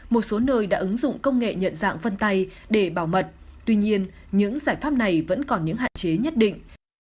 một số nơi đã ứng dụng công nghệ nhận dạng vân tay để bảo mật tuy nhiên những giải pháp này vẫn còn những hạn chế nhất định